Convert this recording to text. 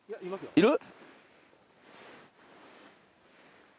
いる？